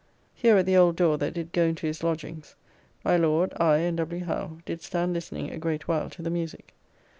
Here at the old door that did go into his lodgings, my Lord, I, and W. Howe, did stand listening a great while to the music.